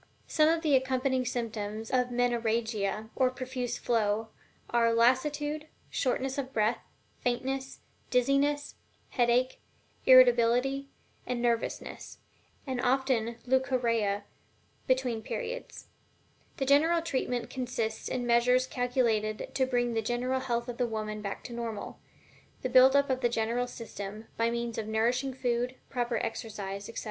Some of the accompanying symptoms of Menorrhagia, or profuse flow, are lassitude, shortness of breath, faintness, dizziness, headache, irritability and nervousness, and often also leucorrhea between periods. The general treatment consists in measures calculated to bring the general health of the woman back to the normal. The building up of the general system, by means of nourishing food, proper exercise, etc.